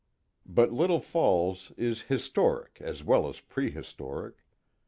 But Little Falls is historic as well as prehistoric.